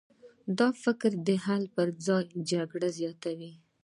دا فکر د حل پر ځای جګړه زیاتوي.